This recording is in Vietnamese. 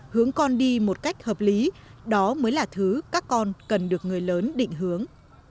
hướng con đi một cách hợp lý đó mới là thứ các con cần được người lớn định hướng